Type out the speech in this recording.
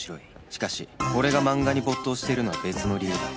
しかし俺が漫画に没頭しているのは別の理由だ